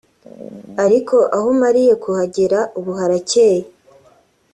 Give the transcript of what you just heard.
ariko aho umariye kuhagera ubu harakeye